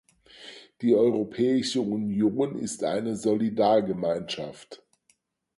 Die Europäische Union ist eine Solidargemeinschaft.